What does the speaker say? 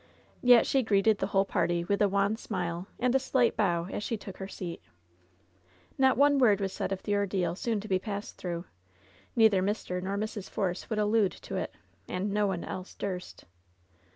Yet she greeted the whole party with a wan smile and a slight bow as she took her seat. Not one word was said of the ordeal soon to be passed through. Neither Mr. nor Mrs. Force would allude to it, and no one else durst.